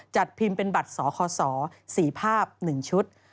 จัดพิมพ์เป็นบัตรสคศ๔ภาพ๑ชุด